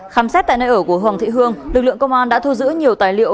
khám xét tại nơi ở của hồng thị hương lực lượng công an đã thu giữ nhiều tài liệu